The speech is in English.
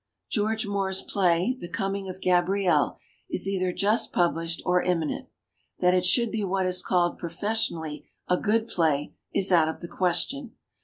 *«George Moore's play, "The Coming of Gabrielle", is either just published or inuninent. That it should be what is called professionally a "good play" is out of the question.